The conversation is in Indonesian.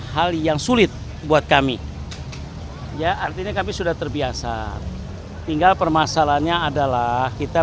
hal yang sulit buat kami ya artinya kami sudah terbiasa tinggal permasalahannya adalah kita